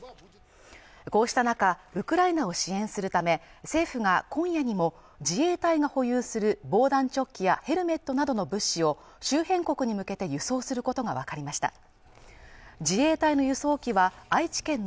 こうした中ウクライナを支援するため政府が今夜にも自衛隊が保有する防弾チョッキやヘルメットなどの物資を周辺国に向けて輸送することが分かりました